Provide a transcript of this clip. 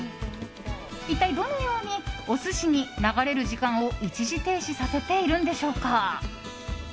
一体どのようにお寿司に流れる時間を一時停止させているんでしょうか。